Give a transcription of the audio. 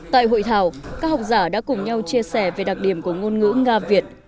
tại hội thảo các học giả đã cùng nhau chia sẻ về đặc điểm của ngôn ngữ nga việt